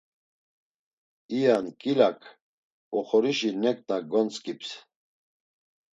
İya nǩilak oxorişi neǩna gontzǩips.